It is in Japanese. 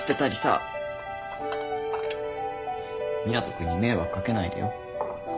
湊斗君に迷惑かけないでよ。